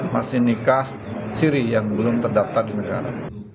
masih nikah siri yang belum terdaftar di negara